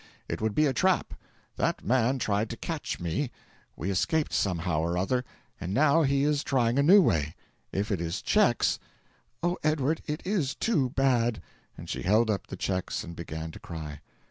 It would be a trap. That man tried to catch me; we escaped somehow or other; and now he is trying a new way. If it is cheques " "Oh, Edward, it is TOO bad!" And she held up the cheques and began to cry.